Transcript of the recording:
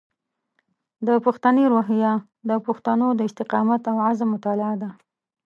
د پښتني روحیه د پښتنو د استقامت او عزم مطالعه ده.